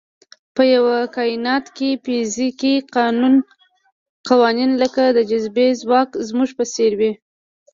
په یوه کاینات کې فزیکي قوانین لکه د جاذبې ځواک زموږ په څېر وي.